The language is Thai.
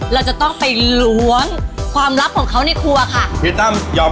เราจะต้องไปล้วงความลับของเขาในครัวค่ะพี่ตั้มยอม